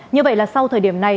như vậy là sau thời điểm này